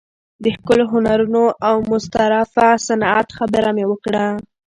د ښکلو هنرونو او مستطرفه صنعت خبره مې وکړه.